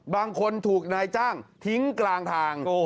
บางคนถูกนายจ้างทิ้งกลางทาง